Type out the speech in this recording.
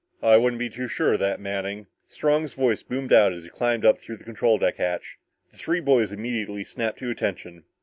"I wouldn't be too sure of that, Manning!" Strong's voice boomed out as he climbed up through the control deck hatch. The three boys immediately snapped to attention.